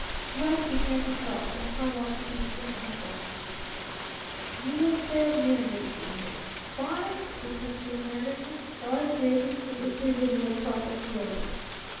Sweat began to drop from Karlov's beetling eyebrows. "You will fail miserably here. Why? Because the Americans are the greatest of individual property owners.